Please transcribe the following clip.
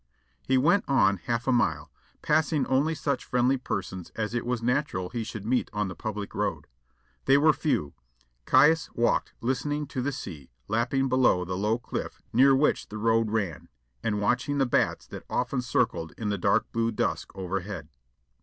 He went on half a mile, passing only such friendly persons as it was natural he should meet on the public road. They were few. Caius walked listening to the sea lapping below the low cliff near which the road ran, and watching the bats that often circled in the dark blue dusk overhead.